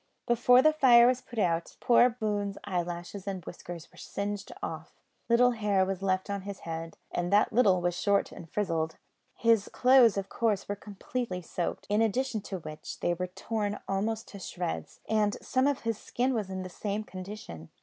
Before the fire was put out, poor Boone's eyelashes and whiskers were singed off; little hair was left on his head, and that little was short and frizzled. His clothes, of course, were completely soaked; in addition to which, they were torn almost to shreds, and some of his skin was in the same condition.